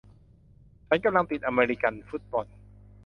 ฉันกำลังติดอเมริกันฟุตบอล